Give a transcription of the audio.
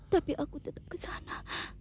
tapi aku tetap kesana